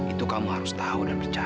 itu kamu harus tahu dan percaya